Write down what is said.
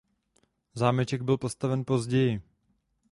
Zámeček byl postaven později.